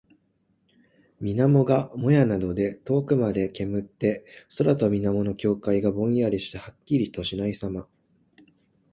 水面がもやなどで遠くまで煙って、空と水面の境界がぼんやりしてはっきりとしないさま。